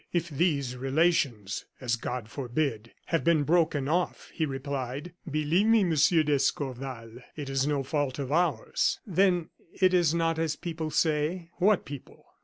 "If these relations as God forbid have been broken off," he replied, "believe me, Monsieur d'Escorval, it is no fault of ours." "Then it is not as people say?" "What people?